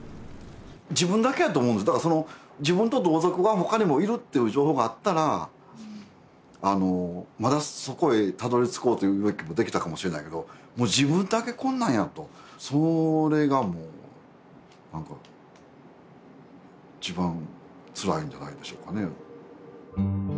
自分だけやと思うんですだからその自分と同族がほかにもいるっていう情報があったらまだそこへたどり着こうという動きもできたかもしれないけどもう自分だけこんなんやとそれがもう何か一番つらいんじゃないでしょうかね